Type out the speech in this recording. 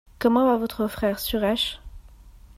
Comment va votre frère Suresh ?